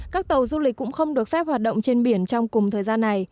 các tàu du lịch cũng không được phép hoạt động trên biển trong cùng thời gian này